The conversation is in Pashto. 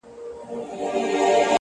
ستا خو جانانه د رڼا خبر په لـپـه كي وي،